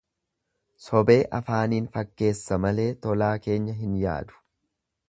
Sobee afaaniin fakkeessa malee tolaa keenya hin yaadu.